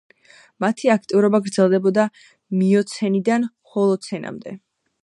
მათი აქტიურობა გრძელდებოდა მიოცენიდან ჰოლოცენამდე.